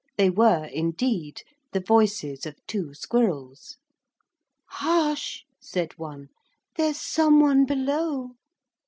They were, indeed, the voices of two squirrels. 'Hush,' said one, 'there's some one below.'